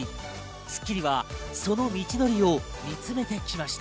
『スッキリ』はその道のりを見つめてきました。